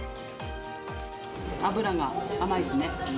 脂が甘いですね。